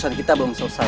susah kita belum selesai